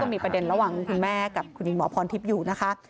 มีประเด็นระหว่างคุณแม่กับคุณหญิงหมอพรทิพย์อยู่นะคะ